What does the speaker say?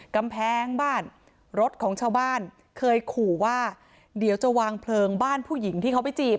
กำแพงบ้านรถของชาวบ้านเคยขู่ว่าเดี๋ยวจะวางเพลิงบ้านผู้หญิงที่เขาไปจีบ